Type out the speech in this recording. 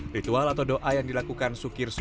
ritual atau doa yang dilakukan sukirsun